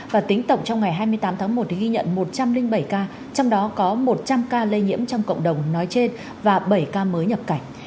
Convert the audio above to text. và tính tổng trong ngày hai mươi tám tháng một ghi nhận một trăm linh bảy ca trong đó có một trăm linh ca lây nhiễm trong cộng đồng nói trên và bảy ca mới nhập cảnh